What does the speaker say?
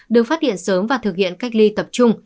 được phát hiện sớm và thực hiện cách ly tập trung